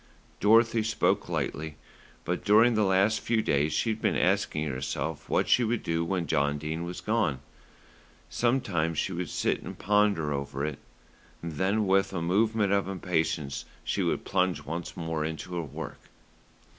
Dorothy spoke lightly; but during the last few days she had been asking herself what she would do when John Dene was gone. Sometimes she would sit and ponder over it, then with a movement of impatience she would plunge once more into her work.